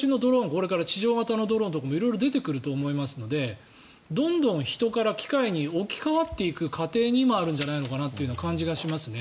これから地上型のドローンとかも色々、出てくると思いますのでどんどん人から機械に置き換わっていく過程に今、ある感じがします。